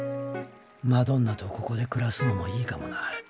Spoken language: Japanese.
マドンナとここで暮らすのもいいかもな。